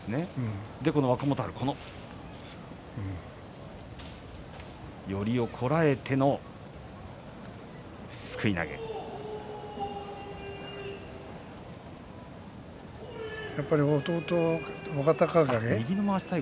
若元春、最後寄りをこらえてのすくい投げでした。